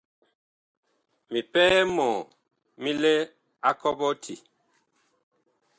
Mipɛɛ mɔɔ mi lɛ a kɔɓɔti.